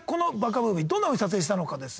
ムービーどんなふうに撮影したのかですね。